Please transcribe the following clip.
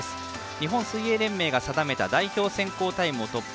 日本水泳連盟が定めた代表選考タイムを突破。